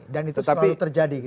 dan itu selalu terjadi gitu